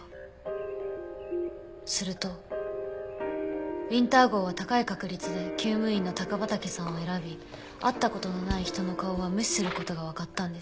するとウィンター号は高い確率で厩務員の高畠さんを選び会った事のない人の顔は無視する事がわかったんです。